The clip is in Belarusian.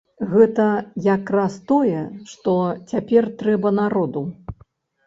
Гэта якраз тое, што цяпер трэба народу!